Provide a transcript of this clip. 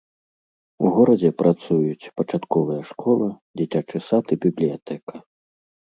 У горадзе працуюць пачатковая школа, дзіцячы сад і бібліятэка.